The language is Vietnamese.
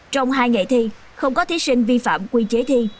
trong hai ngày thi không có thí sinh vi phạm quy chế thi